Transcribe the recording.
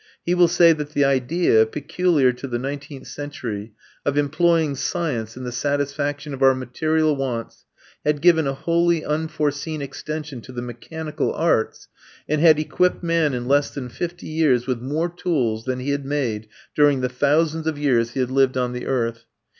He will say that the idea, peculiar to the nineteenth century, of employing science in the satisfaction of our material wants had given a wholly unforeseen extension to the mechanical arts and had equipped man in less than fifty years with more tools than he had made during the thousands of years he had lived on the earth.